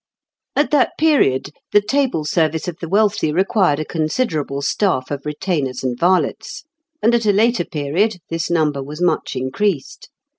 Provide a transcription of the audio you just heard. At that period the table service of the wealthy required a considerable staff of retainers and varlets; and, at a later period, this number was much increased.